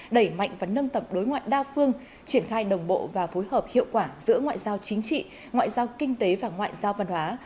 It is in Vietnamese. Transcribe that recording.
đẩy mạnh và nâng tầm đối ngoại đa phương triển khai đồng bộ và phối hợp hiệu quả giữa ngoại giao chính trị ngoại giao kinh tế và ngoại giao văn hóa